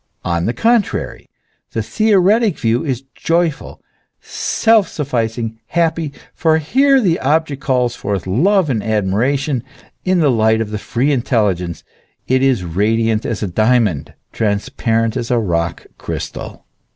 On the contrary, the theoretic view is joyful, self sufficing, happy; for here the object calls forth love and admiration ; in the light of the free intelligence it is radiant as a diamond, transparent as a rock crystal.